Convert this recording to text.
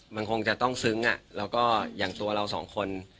มันคงจะต้องซึ้งแล้วก็อย่างตัวเราสองคน